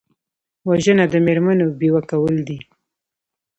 وژنه د مېرمنو بیوه کول دي